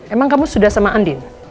emang kamu sudah sama andin